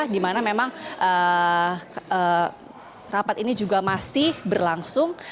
di mana memang rapat ini juga masih berlangsung